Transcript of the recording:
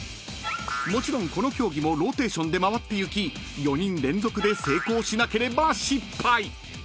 ［もちろんこの競技もローテーションで回っていき４人連続で成功しなければ失敗］